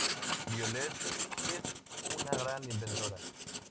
Violet es una gran inventora.